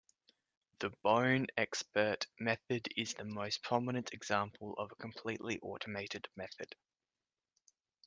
The BoneXpert method is the most prominent example of a completely automated method.